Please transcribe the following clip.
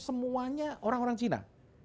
semuanya orang orang cina